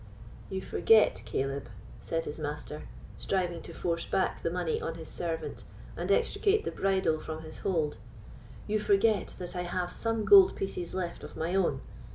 "You forget, Caleb," said his master, striving to force back the money on his servant, and extricate the bridle from his hold—"you forget that I have some gold pieces left of my own.